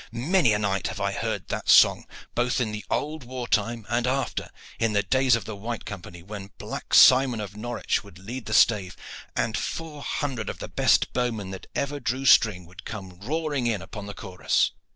"Many a night have I heard that song, both in the old war time and after in the days of the White Company, when Black Simon of Norwich would lead the stave, and four hundred of the best bowmen that ever drew string would come roaring in upon the chorus.